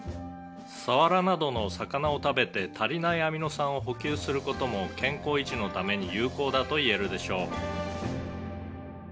「サワラなどの魚を食べて足りないアミノ酸を補給する事も健康維持のために有効だといえるでしょう」